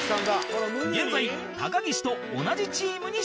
現在高岸と同じチームに所属